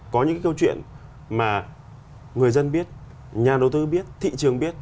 có những cái câu chuyện mà người dân biết nhà đầu tư biết thị trường biết